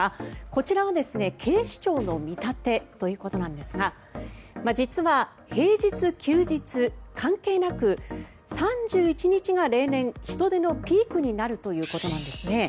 こちらは警視庁の見立てということなんですが実は、平日・休日関係なく３１日が例年、人出のピークになるということなんですね。